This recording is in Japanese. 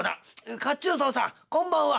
褐虫藻さんこんばんは！